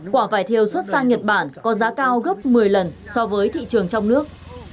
quả vải thiêu xuất sang nhật bản có giá cao gấp một mươi lần so với thị trường trong nước